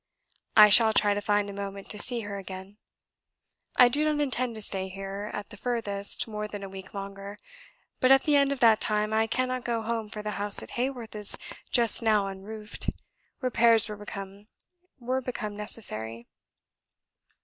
I shall try to find a moment to see her again. ... I do not intend to stay here, at the furthest, more than a week longer; but at the end of that time I cannot go home, for the house at Haworth is just now unroofed; repairs were become necessary."